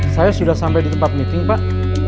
saya sudah sampai di tempat meeting pak